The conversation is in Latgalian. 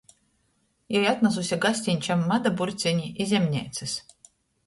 Jei atnasuse gastiņčam mada burceni i zemneicys.